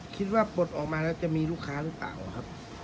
ปลดออกมาแล้วจะมีลูกค้าหรือเปล่าครับ